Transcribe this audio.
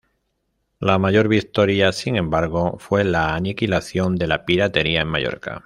La mayor victoria, sin embargo, fue la aniquilación de la piratería en Mallorca.